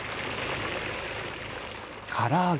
から揚げ。